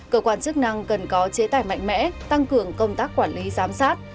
cơ quan chức năng cần có chế tài mạnh mẽ tăng cường công tác quản lý giám sát